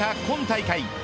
今大会。